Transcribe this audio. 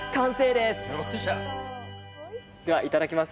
ではいただきます。